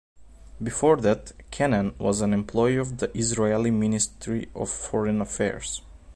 Before that, Kenen was an employee of the Israeli Ministry of Foreign Affairs.